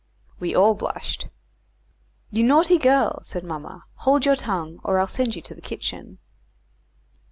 We all blushed. "You naughty girl," said mamma; "hold your tongue, or I'll send you to the kitchen."